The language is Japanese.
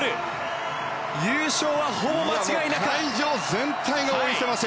優勝はほぼ間違いなし。